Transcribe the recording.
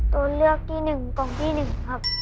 ตัวเลือกที่หนึ่งกล่องที่หนึ่งครับ